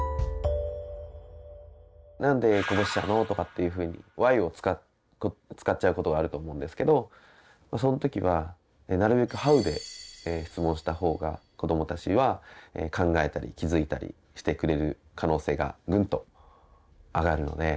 「なんでこぼしちゃうの？」とかっていうふうに「ＷＨＹ」を使っちゃうことがあると思うんですけどそのときはなるべく「ＨＯＷ」で質問した方が子どもたちは考えたり気づいたりしてくれる可能性がグンと上がるので。